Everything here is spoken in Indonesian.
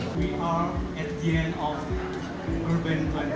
kita di akhir peristiwa urban